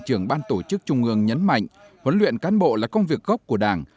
trưởng ban tổ chức trung ương nhấn mạnh huấn luyện cán bộ là công việc gốc của đảng